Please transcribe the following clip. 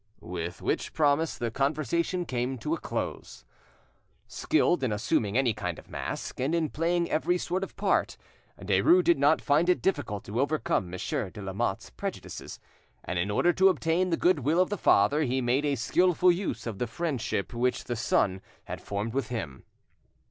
With which promise the conversation came to a close. Skilled in assuming any kind of mask and in playing every sort of part, Derues did not find it difficult to overcome Monsieur de Lamotte's prejudices, and in order to obtain the goodwill of the father he made a skilful use of the friendship which the, son had formed with him.